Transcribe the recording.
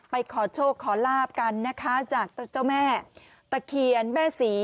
ขอโชคขอลาบกันนะคะจากเจ้าแม่ตะเคียนแม่ศรี